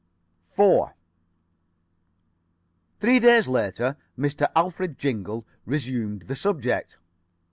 4 Three days later Mr. Alfred Jingle resumed the subject.